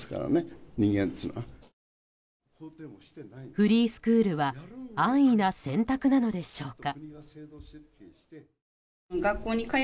フリースクールは安易な選択なのでしょうか。